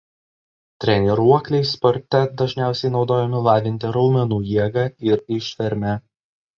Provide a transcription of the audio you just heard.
Treniruokliai sporte dažniausiai naudojami lavinti raumenų jėgą ir ištvermę.